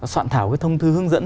soạn thảo cái thông thư hướng dẫn